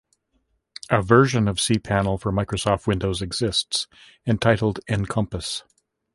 A version of cPanel for Microsoft Windows exists, titled Enkompass.